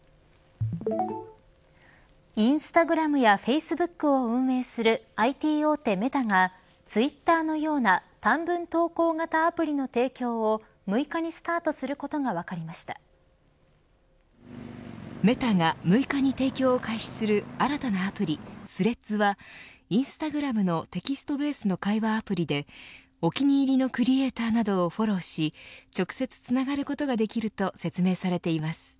インスタグラムやフェイスブックを運営するＩＴ大手メタがツイッターのような短文投稿型アプリの提供を６日にスタートすることがメタが６日に提供を開始する新たなアプリ、スレッズはインスタグラムのテキストベースの会話アプリでお気に入りのクリエイターなどをフォローし直接つながることができると説明されています。